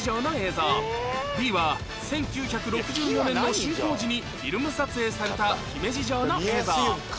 Ｂ は１９６４年の竣工時にフィルム撮影された姫路城の映像